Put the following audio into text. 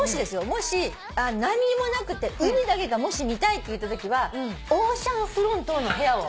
もし何にもなくて海だけが見たいっていうときはオーシャンフロントの部屋を。